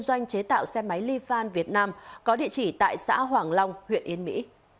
doanh chế tạo xe máy li fan việt nam có địa chỉ tại xã hoàng long huyện yên mỹ